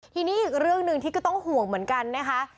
ทีนี้อีกเรื่องหนึ่งที่ก็ต้องห่วงเหมือนกันนะคะ